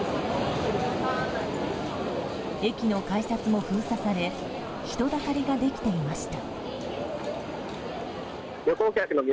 駅の改札も封鎖され人だかりができていました。